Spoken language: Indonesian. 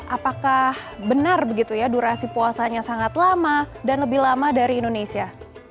apakah benar begitu ya durasi puasanya sangat lama dan lebih lama dari indonesia